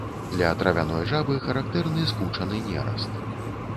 Для травяной жабы характэрны скучаны нераст.